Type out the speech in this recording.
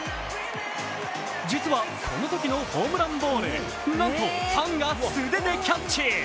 実はこのときのホームランボール、なんとファンが素手でキャッチ。